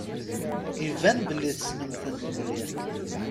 Iban belli tessnemt-t mliḥ.